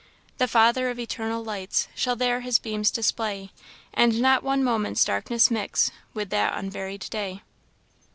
"The Father of eternal lights Shall there his beams display; And not one moment's darkness mix With that unvaried day.